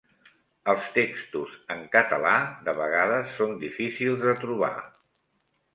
Els textos en català de vegades són difícils de trobar.